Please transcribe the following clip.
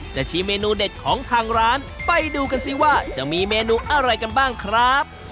จะชิมเมนูเด็ดของทางร้านไปดูกันสิว่าจะมีเมนูอะไรกันบ้างครับ